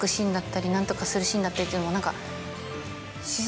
何とかするシーンだったりっていうのも何か。